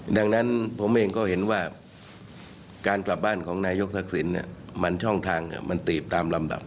ดังนั้นผมเองก็เห็นว่าการกลับบ้านของนายกทักษิณมันช่องทางมันตีบตามลำดับ